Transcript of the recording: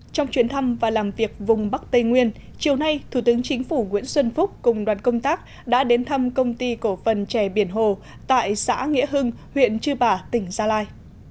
trong chuyến thăm và làm việc vùng bắc tây nguyên chiều nay thủ tướng chính phủ nguyễn xuân phúc cùng đoàn công tác đã đến thăm công ty cổ phần trè biển hồ tại xã nghĩa hưng huyện chư bả tỉnh gia lai